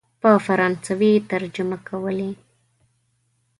په فرانسوي ترجمه کولې.